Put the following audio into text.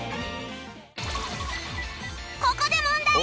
ここで問題